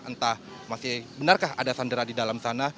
entah masih benarkah ada sandera di dalam sana